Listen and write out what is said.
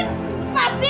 aku mau jalan sendiri